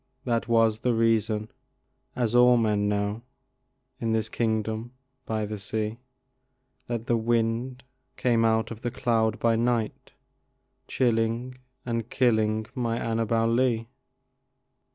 that was the reason (as all men know In this kingdom by the sea) That a wind blew out of a cloud by night, Chilling and killing my Annabel Lee.